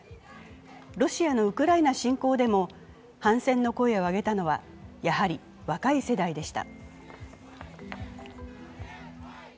ロシアのウクライナ侵攻でも反戦の声を上げたのはやはり若い世代でした。